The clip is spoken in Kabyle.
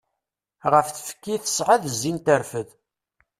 Ɣer tfekka i tesɛa d zzin terfed.